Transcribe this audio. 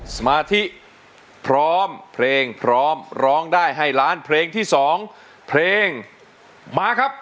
สมาธิพร้อมเพลงพร้อมร้องได้ให้ล้านเพลงที่๒เพลงมาครับ